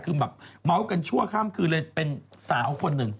คือแบบเมาส์กันชั่วข้ามคืนเลยเป็นสาวคนหนึ่ง